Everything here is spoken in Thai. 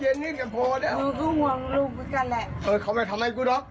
เออไปเถอะพ่อก็เป็นเผียบของมึงแค่ไนนี้